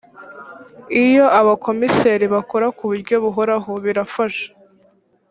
iyo abakomiseri bakora ku buryo buhoraho birafasha